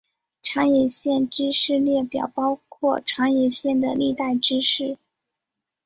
长野县知事列表包括长野县的历代知事。